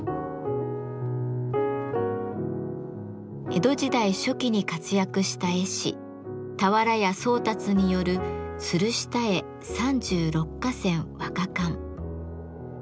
江戸時代初期に活躍した絵師俵屋宗達による「鶴下絵三十六歌仙和歌巻」。